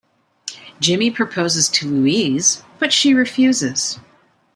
Jimmy proposes to Louise but she refuses.